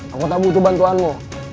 aku tak butuh bantuanmu